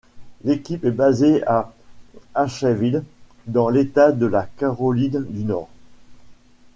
L'équipe est basée à Asheville dans l'État de la Caroline du Nord.